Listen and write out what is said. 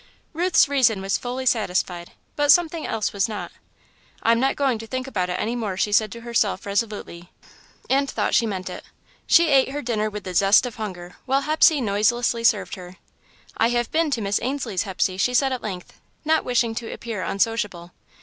Ruth's reason was fully satisfied, but something else was not. "I'm not going to think about it any more," she said to herself, resolutely, and thought she meant it. She ate her dinner with the zest of hunger, while Hepsey noiselessly served her. "I have been to Miss Ainslie's, Hepsey," she said at length, not wishing to appear unsociable.